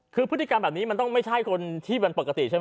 คือพฤติกรรมแบบนี้มันต้องไม่ใช่คนที่เป็นปกติใช่ไหม